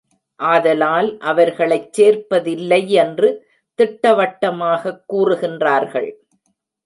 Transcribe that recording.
ஆதலால் அவர்களைச் சேர்ப்பதில்லையென்று திட்டவட்டமாகக் கூறுகின்றார்கள்.